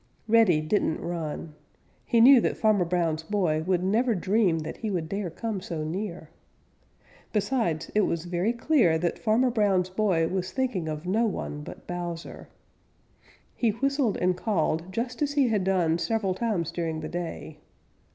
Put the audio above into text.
Reddy didn't run. He knew that Farmer Brown's boy would never dream that he would dare come so near. Besides, it was very clear that Farmer Brown's boy was thinking of no one but Bowser. He whistled and called just as he had done several times during the day.